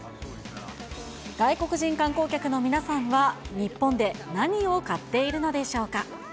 外国人観光客の皆さんは、日本で何を買っているのでしょうか。